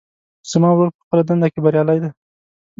زما ورور په خپله دنده کې بریالی ده